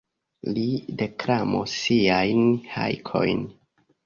Li deklamos siajn hajkojn.